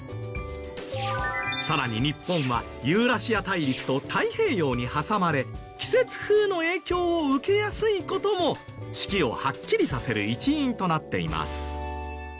さらに日本はユーラシア大陸と太平洋に挟まれ季節風の影響を受けやすい事も四季をはっきりさせる一因となっています。